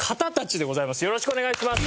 よろしくお願いします！